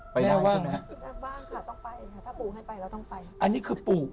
ไปแล้วบ้างค่ะต้องไปค่ะถ้าปู่ให้ไปเราต้องไปอันนี้คือปู่